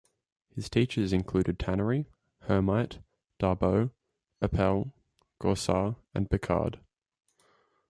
His teachers included Tannery, Hermite, Darboux, Appell, Goursat and Picard.